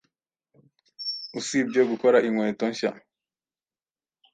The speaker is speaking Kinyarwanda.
Usibye gukora inkweto nshya,